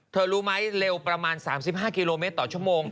รู้ไหมเร็วประมาณ๓๕กิโลเมตรต่อชั่วโมง